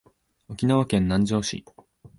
沖縄県南城市